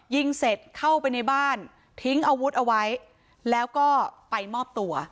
ยิงเสร็จเข้าไปในบ้านทิ้งอาวุธเอาไว้แล้วก็ไปมอบตัว